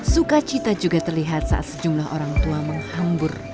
suka cita juga terlihat saat sejumlah orang tua menghambur